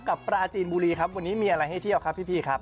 ปราจีนบุรีครับวันนี้มีอะไรให้เที่ยวครับพี่ครับ